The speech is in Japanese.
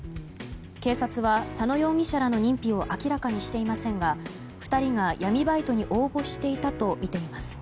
警察は佐野容疑者らの認否を明らかにしていませんが２人が闇バイトに応募していたとみています。